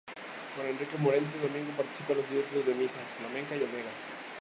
Con Enrique Morente, Domingo participa en los directos de "Misa Flamenca" y "Omega".